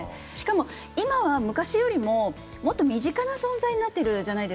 しかも今は昔よりももっと身近な存在になってるじゃないですか。